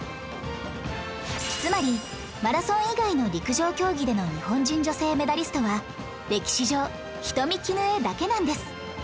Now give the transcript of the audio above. つまりマラソン以外の陸上競技での日本人女性メダリストは歴史上人見絹枝だけなんです